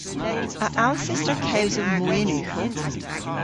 A allses ta kewsel moy yn ughel?